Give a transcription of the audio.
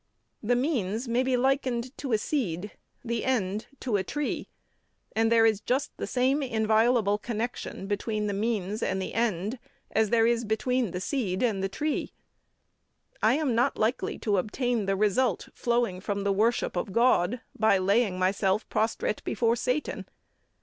The means may be likened to a seed, the end to a tree; and there is just the same inviolable connection between the means and the end as there is between the seed and the tree. I am not likely to obtain the result flowing from the worship of God by laying myself prostrate before Satan.